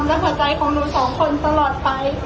หัวใจของหนูสองคนตลอดไป